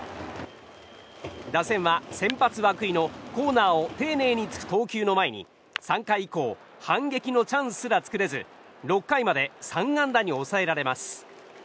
打線は先発、涌井のコーナーを丁寧に突く投球を前に３回以降反撃のチャンスすら作れず６回まで３安打に抑えられます。